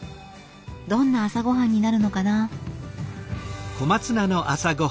どんな朝ごはんになるのかな。